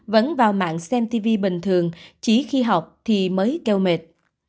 vẫn vào mạng xem tv bình thường chỉ khi học thì mới keo mệt